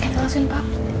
kepala sini pak